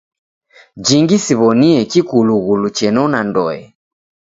Jingi siw'onie kikulughulu chenona ndoe.